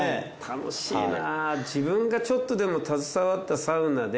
楽しいな自分がちょっとでも携わったサウナで。